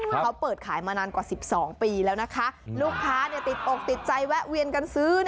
เขาเปิดขายมานานกว่า๑๒ปีแล้วนะคะลูกค้าติดอกติดใจแวะเวียนกันซื้อ